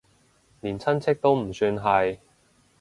連親戚都唔算係